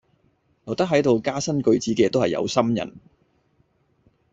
留得喺度加新句子嘅都係有心人